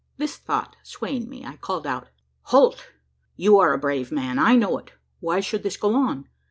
This thought swaying me, I called out: "Holt! you are a brave man. I know it. Why should this go on?